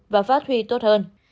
và phát huy tốt hơn